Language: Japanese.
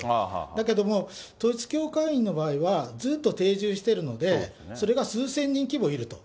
だけども統一教会員の場合は、ずっと定住しているので、それが数千人規模いると。